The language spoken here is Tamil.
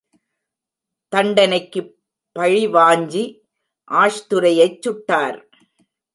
தண்டனைக்குப் பழி வாஞ்சி ஆஷ்துரையைச் சுட்டார்!